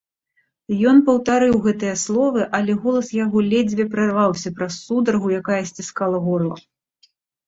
Ён паўтарыў гэтыя словы, але голас яго ледзьве прарваўся праз сударгу, якая сціскала горла.